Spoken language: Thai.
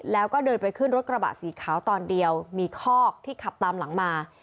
แล้วก็เดินไปขึ้นรถกระบะสีขาวตอนเดียวมีคอกที่ขับตามหลังมา